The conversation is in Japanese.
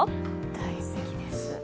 大好きです。